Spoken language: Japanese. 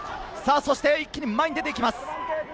一気に前に出ていきます。